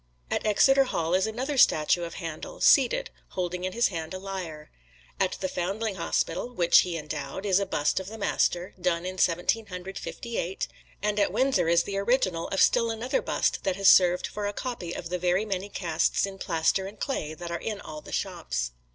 At Exeter Hall is another statue of Handel, seated, holding in his hand a lyre. At the Foundling Hospital (which he endowed) is a bust of the Master, done in Seventeen Hundred Fifty eight; and at Windsor is the original of still another bust that has served for a copy of the very many casts in plaster and clay that are in all the shops.